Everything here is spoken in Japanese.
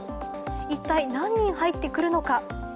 一体、何人入ってくるのか？